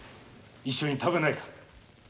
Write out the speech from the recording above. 一緒に食べないか？